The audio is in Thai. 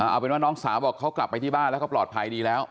เอาเป็นว่าน้องสาวบอกเขากลับไปที่บ้านแล้วเขาปลอดภัยดีแล้ว